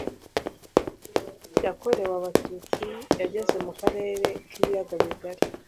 yakorewe Abatutsi yageze mu karere k ibiyaga bigari